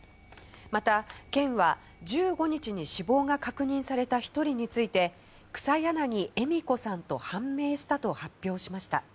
また県は１５日に死亡が確認された１人について草柳笑子さんと判明したと発表しました。